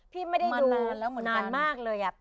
พี่ไม่ได้ดูนานมากเลยอ่ะ